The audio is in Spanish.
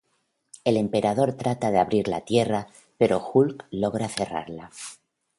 El emperador trata de abrir la tierra pero Hulk logra cerrarla.